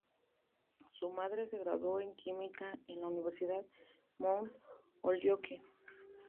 Su madre se graduó en química en la Universidad Mount Holyoke.